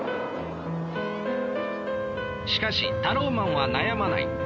しかしタローマンは悩まない。